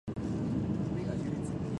天津橋筋六丁目駅